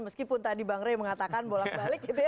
meskipun tadi bang ray mengatakan bolak balik